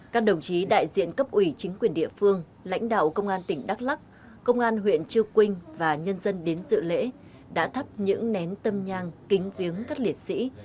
các đồng chí đại diện cấp ủy chính quyền địa phương lãnh đạo công an tỉnh đắk lắc công an huyện chư quynh và nhân dân đến dự lễ đã thắp những nén tâm nhang kính viếng các liệt sĩ